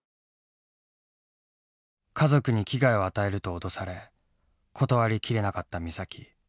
家族に危害を与えると脅され断り切れなかった美咲。